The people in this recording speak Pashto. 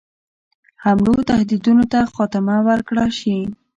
حملو تهدیدونو ته خاتمه ورکړه شي.